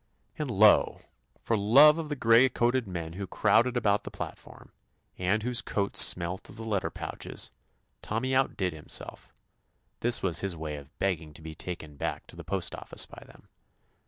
And, lo! for love of the gray coated men who crowded about the platform, and whose coats smelt of the letter pouches. Tommy outdid himself; this was his way of begging to be taken back to the post office by them.